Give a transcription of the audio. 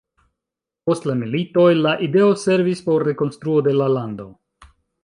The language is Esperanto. Post la militoj, la ideo servis por rekonstruo de la lando.